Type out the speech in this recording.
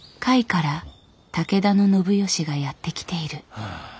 甲斐から武田信義がやって来ている。